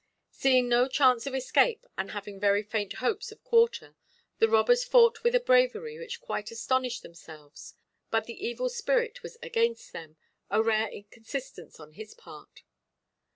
Seeing no chance of escape, and having very faint hopes of quarter, the robbers fought with a bravery which quite astonished themselves; but the evil spirit was against them—a rare inconsistence on his part.